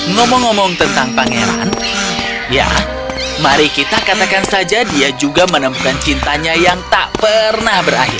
ngomong ngomong tentang pangeran ya mari kita katakan saja dia juga menemukan cintanya yang tak pernah berakhir